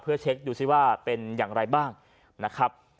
เพื่อเช็คดูซิว่าเป็นอย่างไรบ้างนะครับ